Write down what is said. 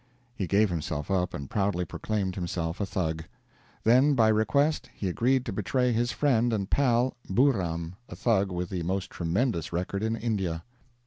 He gave himself up and proudly proclaimed himself a Thug. Then by request he agreed to betray his friend and pal, Buhram, a Thug with the most tremendous record in India.